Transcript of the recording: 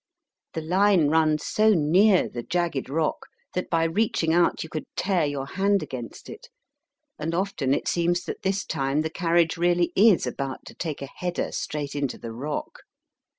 The line runs so near the jagged rock, that by reaching out you could tear your hand against it, and often it seems that this time the carriage really is about to take a header straight into the rock.